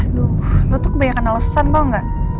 aduh lo tuh kebanyakan alesan tau gak